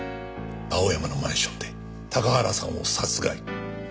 青山のマンションで高原さんを殺害。